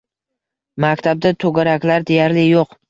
Maktabda to‘garaklar deyarli yo‘q.